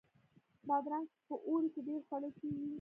بادرنګ په اوړي کې ډیر خوړل کیږي